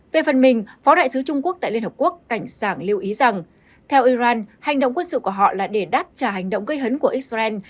về phần mình phó đại sứ trung quốc tại liên hợp quốc cảnh sảng lưu ý rằng theo iran hành động quân sự của họ là để đáp trả hành động gây hấn của israel